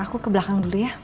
aku ke belakang dulu ya